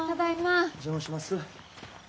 お邪魔します。